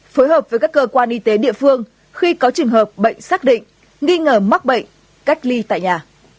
phối hợp với các cơ quan y tế địa phương khi có trường hợp bệnh xác định nghi ngờ mắc bệnh cách ly tại nhà